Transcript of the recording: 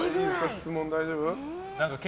質問、大丈夫？